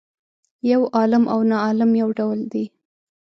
یو عالم او ناعالم یو ډول دي.